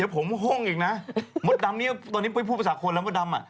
ผมห้งอีกนะมดดำนี่ตอนนี้ปุ้ยพูดภาษาคนแล้วมดดำ